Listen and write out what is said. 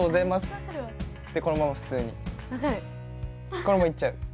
このまま行っちゃう。